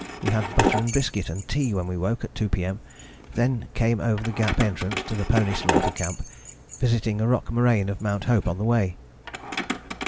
We had butter and biscuit and tea when we woke at 2 P.M., then came over the Gap entrance to the pony slaughter camp, visiting a rock moraine of Mt. Hope on the way."